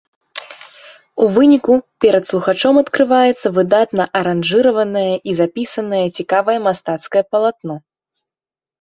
У выніку перад слухачом адкрываецца выдатна аранжыраванае і запісанае, цікавае мастацкае палатно.